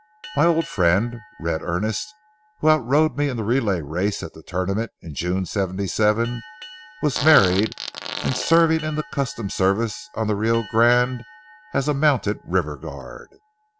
My old friend, Red Earnest, who outrode me in the relay race at the tournament in June, '77, was married and serving in the Customs Service on the Rio Grande as a mounted river guard.